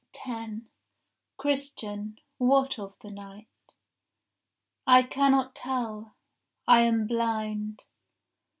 10 Christian, what of the night?— I cannot tell; I am blind.